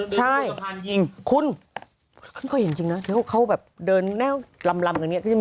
ใช่คุณเขาเห็นจริงนะเขาแบบเดินแน่วลำกันเนี่ย